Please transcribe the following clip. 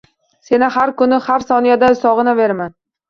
Seni har kuni, har soniyada sog`inaveraman